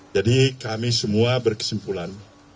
jadi kami semua berkesimpulan